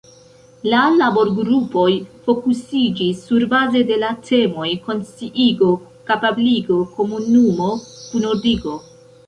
La laborgrupoj fokusiĝis surbaze de la temoj konsciigo, kapabligo, komunumo, kunordigo.